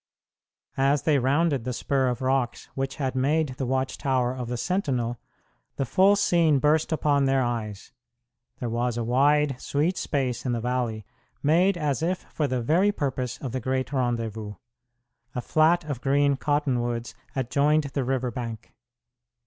As they rounded the spur of rocks which had made the watch tower of the sentinel, the full scene burst upon their eyes. There was a wide, sweet space in the valley, made as if for the very purpose of the great rendezvous. A flat of green cottonwoods adjoined the river bank.